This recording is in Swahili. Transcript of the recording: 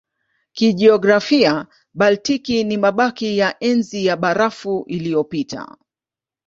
Kijiografia Baltiki ni mabaki ya Enzi ya Barafu iliyopita.